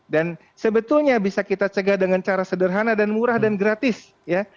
dan sebetulnya bisa kita cegah dengan cara sederhana dan murah dan gratis ya